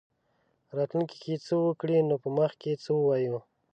راتلونکې کې څه وکړي نو په مخ کې څه ووایو.